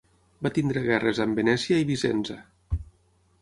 Va tenir guerres amb Venècia i Vicenza.